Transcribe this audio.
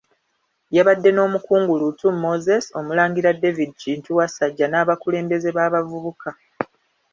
Yabadde n'Omukungu Luutu Moses, Omulangira David Kintu Wasajja n'abakulembeze b'abavubuka.